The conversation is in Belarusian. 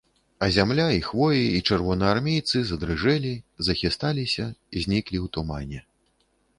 А зямля, і хвоі, і чырвонаармейцы задрыжэлі, захісталіся, зніклі ў тумане.